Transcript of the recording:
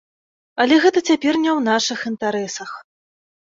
Але гэта цяпер не ў нашых інтарэсах.